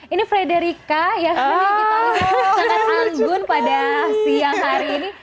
ini frederica yang sebenarnya kita sangat anggun pada siang hari ini